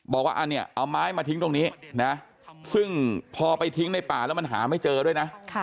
บอกว่าอันนี้เอาไม้มาทิ้งตรงนี้นะซึ่งพอไปทิ้งในป่าแล้วมันหาไม่เจอด้วยนะ